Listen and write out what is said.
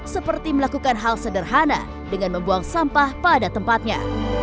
seperti melakukan hal sederhana dengan membuang sampah pada tempatnya